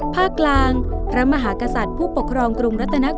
ภาคกลางพระมหากษัตริย์ผู้ปกครองกรุงรัตน